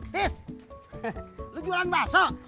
tis lu jualan baso